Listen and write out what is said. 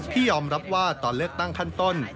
ยอมรับว่าตอนเลือกตั้งขั้นต้น